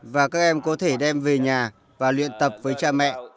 và các em có thể đem về nhà và luyện tập với cha mẹ